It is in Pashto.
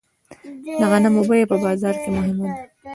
د غنمو بیه په بازار کې مهمه ده.